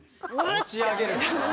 持ち上げる？